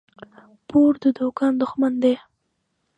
پور د دوکان دښمن دى.